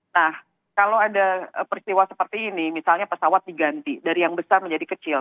nah kalau ada peristiwa seperti ini misalnya pesawat diganti dari yang besar menjadi kecil